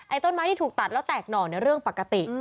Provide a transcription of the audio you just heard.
ต้นไม้ที่ถูกตัดแล้วแตกหน่อในเรื่องปกติ